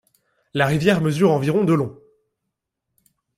La rivière mesure environ de long.